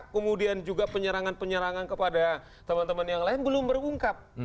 kemudian juga penyerangan penyerangan kepada teman teman yang lain belum berungkap